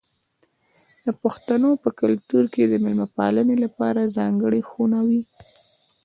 د پښتنو په کلتور کې د میلمه پالنې لپاره ځانګړې خونه وي.